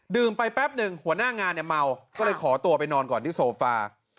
ไปแป๊บหนึ่งหัวหน้างานเนี่ยเมาก็เลยขอตัวไปนอนก่อนที่โซฟา